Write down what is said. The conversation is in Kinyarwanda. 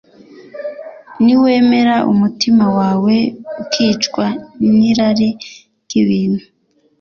niwemera umutima wawe ukicwa n'irari ry'ibintu